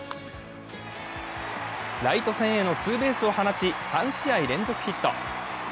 ライト線へのツーベースを放ち３試合連続ヒット。